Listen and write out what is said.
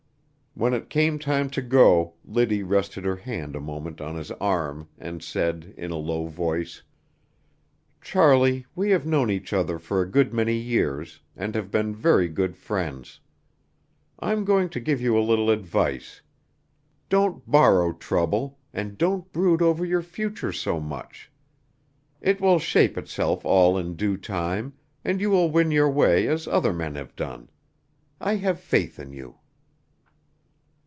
When it came time to go Liddy rested her hand a moment on his arm and said, in a low voice: "Charlie, we have known each other for a good many years, and have been very good friends. I am going to give you a little advice: Don't borrow trouble, and don't brood over your future so much. It will shape itself all in due time, and you will win your way as other men have done. I have faith in you."